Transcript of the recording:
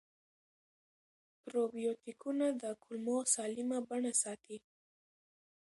پروبیوتیکونه د کولمو سالمه بڼه ساتي.